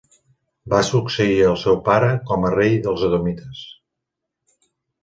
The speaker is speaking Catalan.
Va succeir el seu pare com a rei dels edomites.